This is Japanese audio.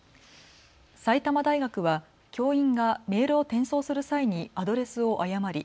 埼玉大学は教員がメールを転送する際にアドレスを誤り